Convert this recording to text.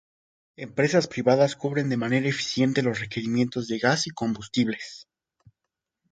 Empresas privadas cubren de manera eficiente los requerimientos de Gas y Combustibles.